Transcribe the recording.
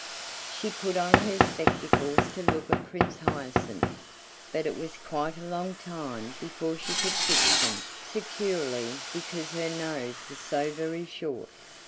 She put on her spectacles to look at Prince Hyacinth, but it was quite a long time before she could fix them securely because her nose was so very short.